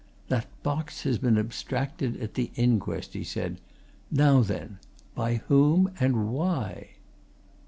"That box has been abstracted at the inquest!" he said, "Now then! by whom? and why?"